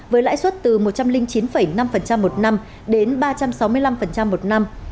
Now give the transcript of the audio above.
với lãi suất từ một trăm linh chín năm một năm đến ba trăm sáu mươi năm một năm